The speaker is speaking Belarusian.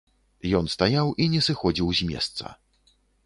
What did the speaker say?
Ён стаяў і не сыходзіў з месца.